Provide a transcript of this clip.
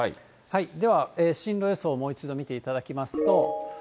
では進路予想、もう一度見ていただきますと。